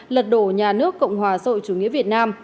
lật đổ nhà nước cộng hòa sội chủ nghĩa